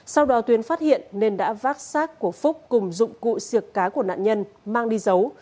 sau đó tuyến phát hiện nên đã vác sát của phúc cùng dụng cụ siệc cá của nạn nhân mang đi giấu